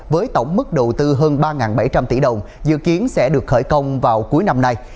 với tổng mức đầu tư hơn ba bảy trăm linh tỷ đồng dự kiến sẽ được khởi công vào cuối năm nay